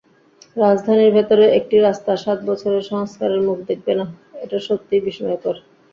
রাজধানীর ভেতরে একটি রাস্তা সাত বছরে সংস্কারের মুখ দেখবে না, এটা সত্যিই বিস্ময়কর।